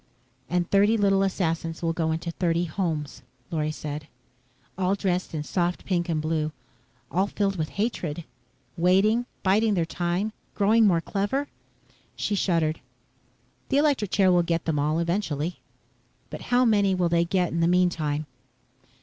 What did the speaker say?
"And thirty little assassins will go into thirty homes," Lorry said. "All dressed in soft pink and blue, all filled with hatred. Waiting, biding their time, growing more clever." She shuddered. "The electric chair will get them all, eventually." "But how many will they get in the meantime?"